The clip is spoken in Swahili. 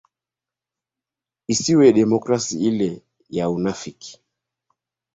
isiwe democrasi ile ya ya yaunafiki